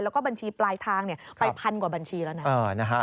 แล้วก็บัญชีปลายทางไปพันกว่าบัญชีแล้วนะ